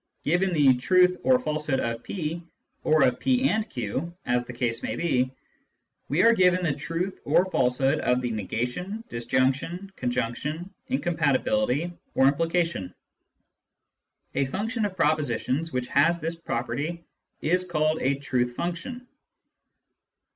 Given the truth or falsehood of p, or of p and q (as the case may be), we are given the truth or falsehood of the negation, disjunc tion, conjunction, incompatibility, or implication. A function of propositions which has this property is called a " truth function."